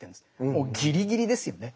もうギリギリですよね。